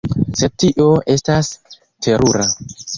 Sed tio estas terura!